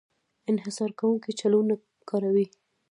انحصار کوونکی چلونه کاروي.